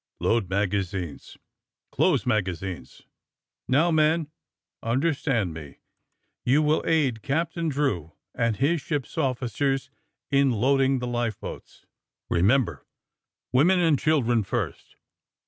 Load magazines. Close magazines. Now, men, un derstand me. You will aid Captain Drew and his ship's officers in loading the life boats. Ee 126 THE SUBMARINE BOYS member— women and children first!